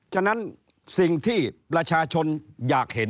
ฉะนั้นสิ่งที่ประชาชนอยากเห็น